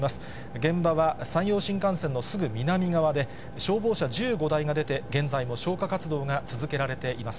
現場は山陽新幹線のすぐ南側で、消防車１５台が出て、現在も消火活動が続けられています。